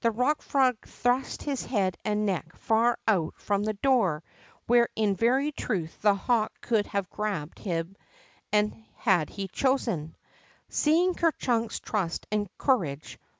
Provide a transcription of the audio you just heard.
The Bock Brog thrust his head and neck far out from the door, where in very truth the hawk could have grabbed him had he chosen. Seeing Ker Chunk's trust and courage.